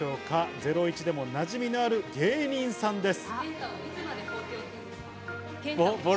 『ゼロイチ』でもおなじみの芸人さんです。